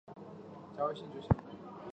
由南宁铁路局梧州车务段管辖。